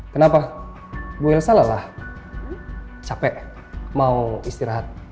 kenapa bu elsa lelah capek mau istirahat